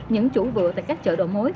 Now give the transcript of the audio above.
những chủ vừa tại các chợ đồ mối